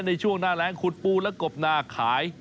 ในช่วงหน้าแรงขุดปูและกบนาขาย